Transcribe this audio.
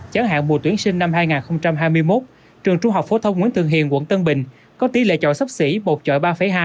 chẳng hạn mùa tuyển sinh năm hai nghìn hai mươi một trường trung học phổ thông nguyễn thường hiền quận tân bình có tỉ lệ chọn sắp xỉ một chọi ba hai